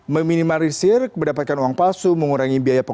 meminimalisir keberdapatan uang palsu mengurangi biaya pengeluaran uang